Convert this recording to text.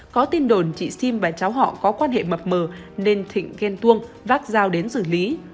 có tin đồn chị siêm và cháu họ có quan hệ mập mờ nên thịnh ghen tuông vác dao đến xử lý